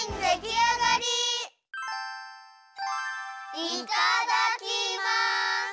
いただきます！